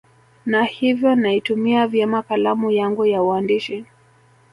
na hivyo naitumia vyema kalamu yangu ya uandishi